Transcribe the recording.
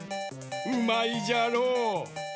うまいじゃろ？